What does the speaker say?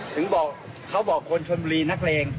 ถึงบอกเขาบอกคนชนบุรีนักเลง